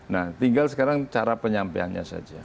nah tinggal sekarang cara penyampaiannya saja